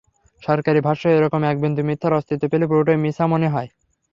সরকারি ভাষ্যে এরকম একবিন্দু মিথ্যার অস্তিত্ব পেলে পুরোটাই মিছা মনে হয়।